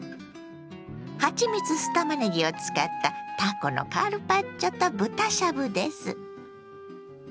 「はちみつ酢たまねぎ」を使ったたこのカルパッチョと豚しゃぶです。